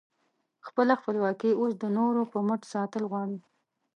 خپله خپلواکي اوس د نورو په مټ ساتل غواړې؟